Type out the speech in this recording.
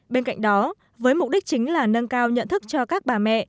bên cạnh đó với mục đích chính là nâng cao nhận thức cho các bà mẹ